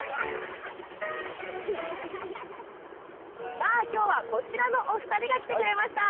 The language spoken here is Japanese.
さあ今日はこちらのお二人が来てくれました。